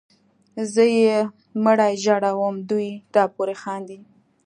زه یې مړی ژاړم دوی راپورې خاندي